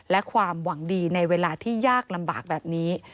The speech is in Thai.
และความหวังดีในเวลาที่ยากลำบากแบบนี้